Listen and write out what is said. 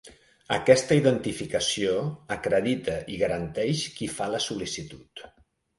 Aquesta identificació acredita i garanteix qui fa la sol·licitud.